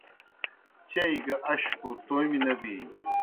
چیئی گی اشپوْ تومیْ نہ بِینیْ